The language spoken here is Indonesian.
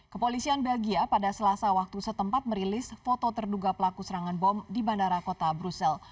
kepolisian belgia pada selasa waktu setempat merilis foto terduga pelaku serangan bom di bandara kota brussel